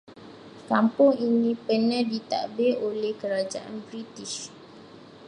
Kampung ini pernah ditadbir oleh kerajaan british